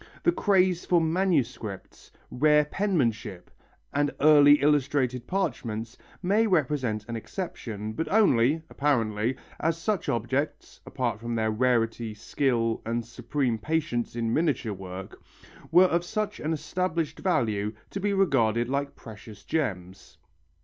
The craze for manuscripts, rare penmanship, and early illuminated parchments may represent an exception, but only, apparently, as such objects apart from their rarity, skill and supreme patience in miniature work were of such an established value as to be regarded like precious gems.